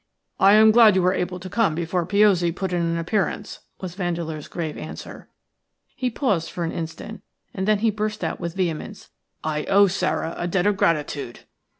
"I am glad you were able to come before Piozzi put in an appearance," was Vandeleur's grave answer. He paused for an instant, and then he burst out with vehemence:– "I owe Sara a debt of gratitude.